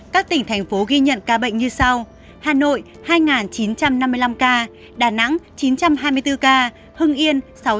các tỉnh thành phố ghi nhận ca bệnh như sau